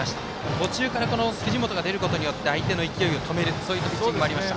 途中から藤本が出ることによって相手の勢いを止めるそういうピッチングもありました。